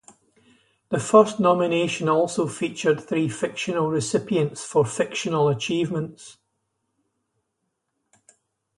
The first nomination also featured three fictional recipients for fictional achievements.